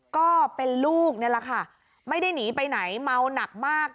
ก็เป็นลูกนี่แหละค่ะไม่ได้หนีไปไหนเมาหนักมาก